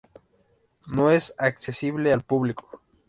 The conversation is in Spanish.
No es accesible al público.